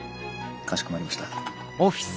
かしこまりました。